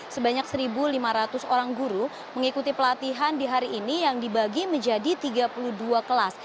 sebanyak satu lima ratus orang guru mengikuti pelatihan di hari ini yang dibagi menjadi tiga puluh dua kelas